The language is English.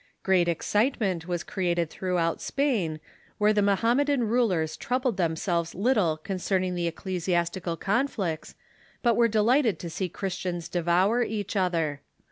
Great excitement was created throughout Spain, where the Mohammedan rulers troubled themselves little concerning the ecclesiastical conflicts, but were delighted to see Christians devour each other.